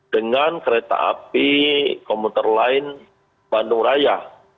dengan kereta api komuter lain bandung raya